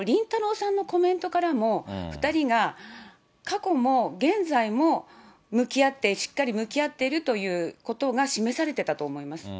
さんのコメントからも、２人が過去も現在も向き合って、しっかり向き合っているということが示されてたと思います。